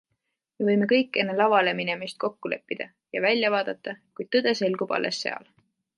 Me võime kõik enne lavale minemist kokku leppida ja välja vaadata, kuid tõde selgub alles seal.